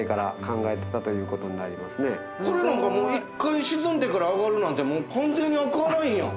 これなんかもう１回沈んでから上がるなんてもう完全にアクアラインやん。